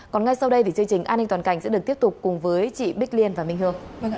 còn ngay sau đây thì chương trình an ninh toàn cảnh sẽ được tiếp tục cùng với chị bích liên và minh hương